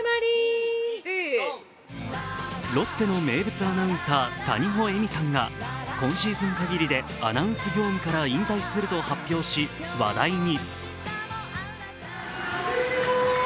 ロッテの名物アナウンサー、谷保恵美さんが今シーズン限りでアナウンス業務から引退すると発表し、話題に。